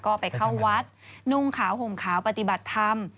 ก็ไปเข้าวัดนุ่งขาวห่มขาวปฏิบัติธรรม